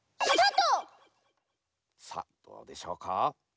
さあどうでしょうか？